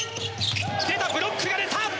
ブロックが出た！